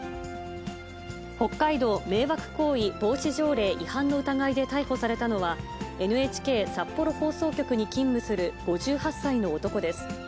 北海道迷惑行為防止条例違反の疑いで逮捕されたのは、ＮＨＫ札幌放送局に勤務する５８歳の男です。